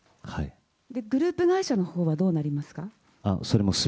グループ会社のほうはどうなりますか。